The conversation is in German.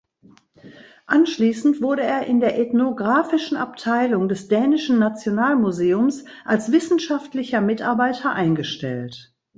Anschließend wurde er in der Ethnografischen Abteilung des Dänischen Nationalmuseums als wissenschaftlicher Mitarbeiter eingestellt.